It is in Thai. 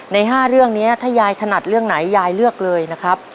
ใน๕เรื่องนี้ถ้ายายถนัดเรื่องไหนยายเลือกเลยนะครับ